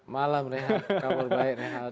malam rehat kabar baik